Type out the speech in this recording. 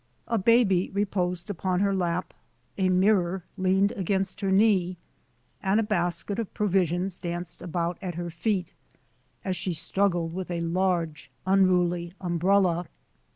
A baby reposed upon her lap, a mirror leaned against her knee, and a basket of provisions danced about at her feet, as she struggled with a large, unruly umbrella.